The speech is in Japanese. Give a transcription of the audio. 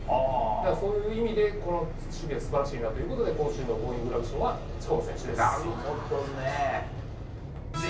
だからそういう意味で、この守備はすばらしいなということで、今週のゴーインググラブ賞は近本なるほどね。